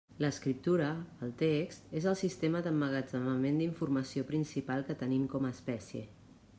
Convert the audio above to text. L'escriptura, el text, és el sistema d'emmagatzemament d'informació principal que tenim com a espècie.